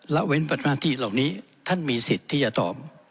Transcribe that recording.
และเว้นประตูปภาคนาธิภาคต์เหล่านี้ท่านมีสิทธิ์ที่จะตอบ